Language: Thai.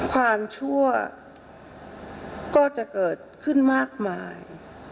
ชั่วก็จะเกิดขึ้นมากมาย